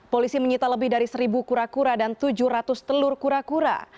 polisi menyita lebih dari seribu kura kura dan tujuh ratus telur kura kura